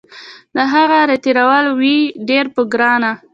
د هغه راتېرول وي ډیر په ګرانه